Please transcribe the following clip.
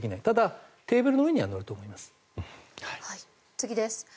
ただ、テーブルの上には乗ると思います。